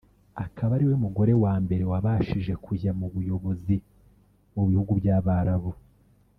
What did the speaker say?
akaba ariwe mugore wa mbere wabashije kujya mu buyobozi mu bihugu by’abarabu